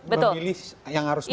kan kita harus memilih yang harus menang